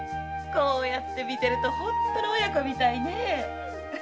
こうやって見てると本当に親子みたいね。